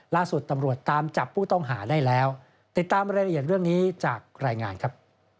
ล่าสุดตำรวจตามจับผู้ต้องหาได้แล้วติดตามรายละเอียดเรื่องนี้จากรายงานครับ